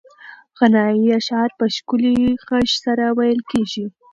غنایي اشعار په ښکلي غږ سره ویل کېږي.